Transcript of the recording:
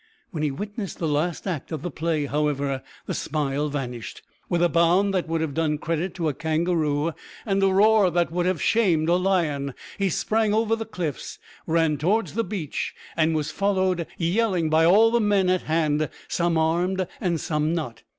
When he witnessed the last act of the play, however, the smile vanished. With a bound that would have done credit to a kangaroo, and a roar that would have shamed a lion, he sprang over the cliffs, ran towards the beach, and was followed yelling by all the men at hand some armed, and some not.